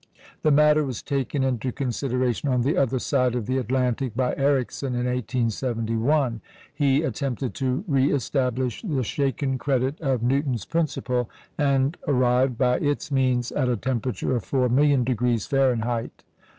The matter was taken into consideration on the other side of the Atlantic by Ericsson in 1871. He attempted to re establish the shaken credit of Newton's principle, and arrived, by its means, at a temperature of 4,000,000° Fahrenheit.